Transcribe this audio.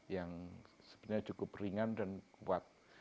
yang sebenarnya cukup ringan dan kuat